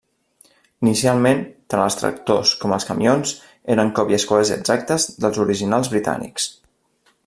Inicialment, tant els tractors com els camions eren còpies quasi exactes dels originals britànics.